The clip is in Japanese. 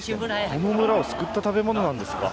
この村を救った食べ物なんですか。